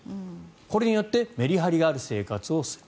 これによってメリハリがある生活をする。